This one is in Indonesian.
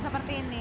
ya seperti ini